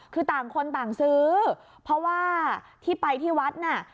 คือต่างคนต่างซื้อเพราะว่าที่ไปที่วัดน่ะ